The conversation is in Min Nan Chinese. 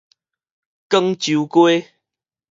廣州街